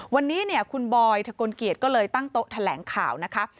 วันนี้เนี่ยคุณบอยทะกลเกียจก็เลยตั้งโต๊ะแถลงข่าวนะคะ